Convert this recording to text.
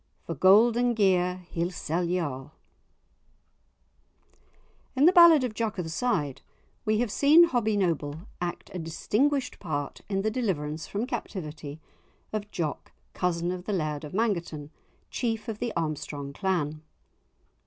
For gold and gear he'll sell ye a'." In the ballad of "Jock o' the Side," we have seen Hobbie Noble act a distinguished part in the deliverance from captivity of Jock, cousin of the Laird of Mangerton, chief of the Armstrong clan.